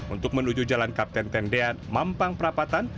untuk menuju jalan kapten tendean mampang perapatan